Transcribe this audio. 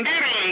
ya kan begitu